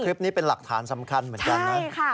คลิปนี้เป็นหลักฐานสำคัญเหมือนกันนะ